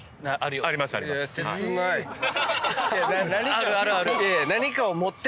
あるあるある。